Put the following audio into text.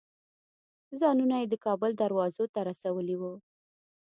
ځانونه یې د کابل دروازو ته رسولي وو.